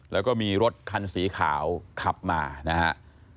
แล้วก็มีรถคันสีขาวขับมานะครับ